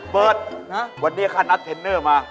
เบิร์ทวันนี้ข้านัดเทนเนอร์มา